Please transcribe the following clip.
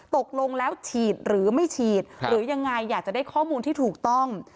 ตกลงแล้วฉีดหรือไม่ฉีดหรือยังไงอยากจะได้ข้อมูลที่ถูกต้อง